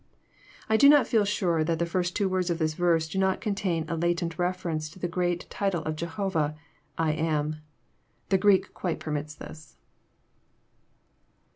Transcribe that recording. I do not feel sure that the two first words of this verse do not; contain a latent reference to the great title of Jehovah, '*I am." The Greek quite permits it.